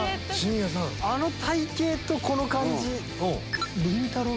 あの体形とこの感じ。